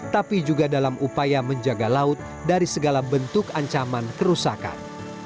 tapi juga dalam upaya menjaga laut dari segala bentuk ancaman kerusakan